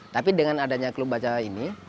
tapi dengan adanya klub baca ini